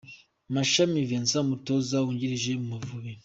Mashami Vincent umutoza wungirije mu Mavubi.